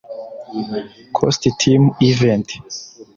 Coast Team Event